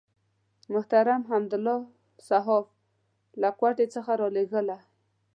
محترم حمدالله صحاف له کوټې څخه راولېږله.